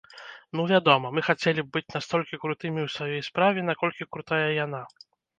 Ну, вядома, мы хацелі б быць настолькі крутымі ў сваёй справе, наколькі крутая яна.